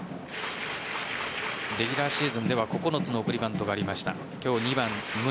レギュラーシーズンでは９つの送りバントがありました今日、２番・宗。